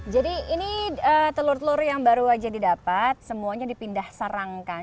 jadi ini telur telur yang baru saja didapat semuanya dipindah sarangkan